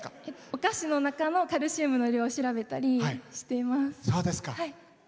お菓子の中のカルシウムの量を調べたりしています。